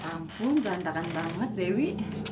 hai ampun gantakan banget dewi